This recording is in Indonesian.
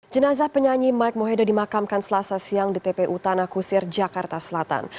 jenazah penyanyi mike mohede dimakamkan selasa siang di tpu tanah kusir jakarta selatan